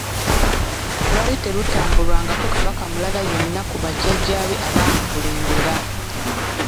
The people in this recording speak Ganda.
Lwali terutambulwangako Kabaka mulala yenna ku bajjajaabe abaamukulembera.